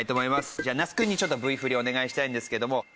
じゃあ那須君にちょっとＶ振りお願いしたいんですけども。